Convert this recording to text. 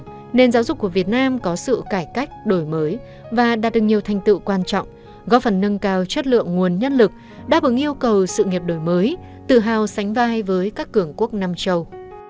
tuy nhiên nền giáo dục của việt nam có sự cải cách đổi mới và đạt được nhiều thành tựu quan trọng góp phần nâng cao chất lượng nguồn nhân lực đáp ứng yêu cầu sự nghiệp đổi mới tự hào sánh vai với các cường quốc nam châu